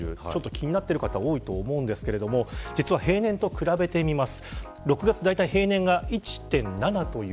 気になっている方多いと思うんですけど平年と比べてみます。